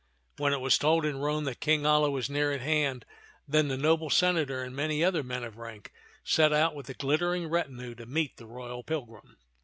When it was told in Rome that King Alia was near at hand, then the noble senator and many other men of rank set out with a glittering retinue to meet the royal pilgrim.